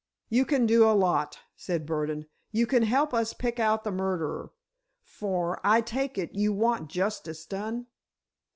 "You can do a lot," said Burdon. "You can help us pick out the murderer—for, I take it, you want justice done?"